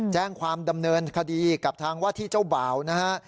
แจ้งความดำเนินคดีกับทางว่าที่เจ้าบ่าวนะฮะ